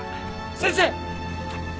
・先生！